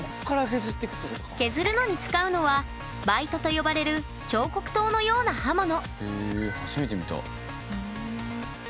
削るのに使うのは「バイト」と呼ばれる彫刻刀のような刃物。